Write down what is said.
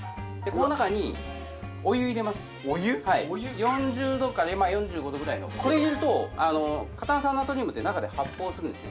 はい４０度から４５度ぐらいのこれ入れると過炭酸ナトリウムって中で発泡するんですね